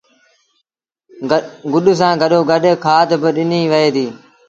گُڏ سآݩ گڏ کآڌ با ڏنيٚ وهي ديٚ